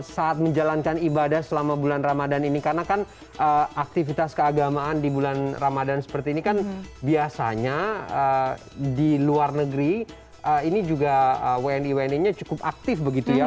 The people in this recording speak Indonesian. saat menjalankan ibadah selama bulan ramadan ini karena kan aktivitas keagamaan di bulan ramadan seperti ini kan biasanya di luar negeri ini juga wni wni nya cukup aktif begitu ya